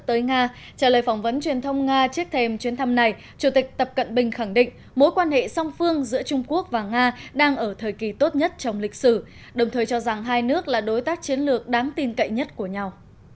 tới nga trả lời phỏng vấn truyền thông nga trước thềm chuyến thăm này chủ tịch tập cận bình khẳng định mối quan hệ song phương giữa trung quốc và nga đang ở thời kỳ tốt nhất trong lịch sử đồng thời cho rằng hai nước là đối tác chiến lược đáng tin cậy nhất của nhau